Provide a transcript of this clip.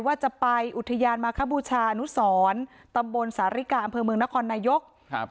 ว่าจะไปอุทยานมาคบูชาอนุสรตำบลสาริกาอำเภอเมืองนครนายกครับ